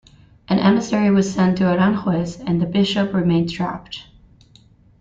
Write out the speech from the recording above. An emissary was sent to Aranjuez and the bishop remained trapped.